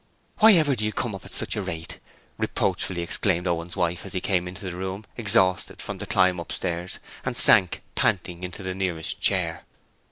'Why ever do you come up at such a rate,' reproachfully exclaimed Owen's wife as he came into the room exhausted from the climb upstairs and sank panting into the nearest chair.